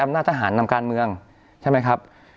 หน้าทหารนำการเมืองใช่ไหมครับ